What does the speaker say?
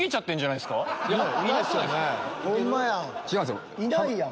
いないやん。